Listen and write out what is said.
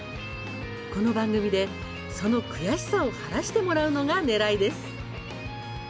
この番組で、その悔しさを晴らしてもらうのがねらいです。